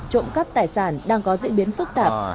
trộm cắp tài sản đang có diễn biến phức tạp